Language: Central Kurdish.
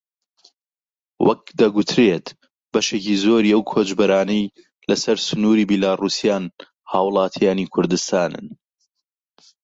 وەک دەگوترێت بەشێکی زۆری ئەو کۆچبەرانەی لەسەر سنووری بیلاڕووسیان هاوڵاتیانی کوردستانن